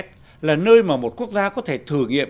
đặc khu kinh tế là nơi mà một quốc gia có thể thử nghiệm